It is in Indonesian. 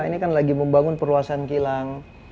ini kan lagi membangun perluasan kilang